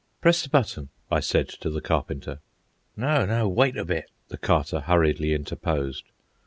"Press the button," I said to the Carpenter. "No, no, wait a bit," the Carter hurriedly interposed.